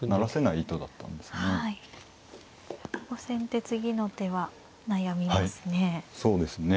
先手次の手は悩みますね。